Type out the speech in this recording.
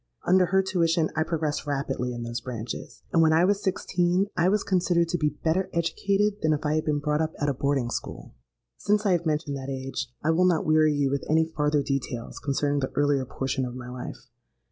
Under her tuition I progressed rapidly in those branches; and, when I was sixteen, I was considered to be better educated than if I had been brought up at a boarding school. "Since I have mentioned that age, I will not weary you with any farther details concerning the earlier portion of my life.